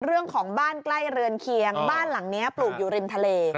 เรื่องของบ้านใกล้เรือนเคียงบ้านหลังนี้ปลูกอยู่ริมทะเล